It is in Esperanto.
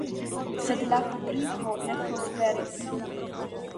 Sed la fabriko ne prosperis.